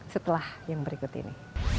setelah yang berikut ini